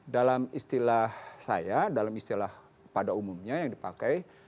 dalam istilah saya dalam istilah pada umumnya yang dipakai